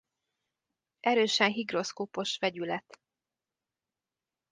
Erősen higroszkópos vegyület.